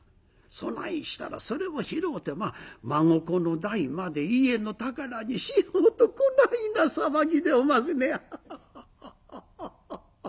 そないしたらそれを拾うて孫子の代まで家の宝にしようとこないな騒ぎでおますねやハハハハハハッ！」。